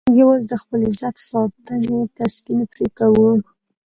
موږ یوازې د خپل عزت ساتنې تسکین پرې کوو.